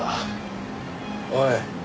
おい。